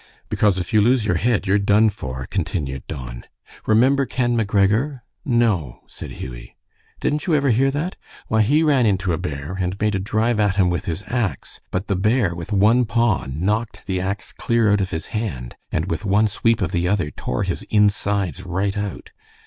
"Because if you lose your head you're done for," continued Don. "Remember Ken McGregor?" "No," said Hughie. "Didn't you ever hear that? Why, he ran into a bear, and made a drive at him with his axe, but the bear, with one paw knocked the axe clear out of his hand, and with one sweep of the other tore his insides right out.